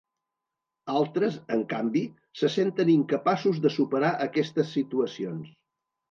Altres, en canvi, se senten incapaços de superar aquestes situacions.